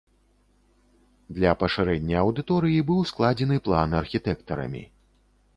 Для пашырэння аўдыторыі быў складзены план архітэктарамі.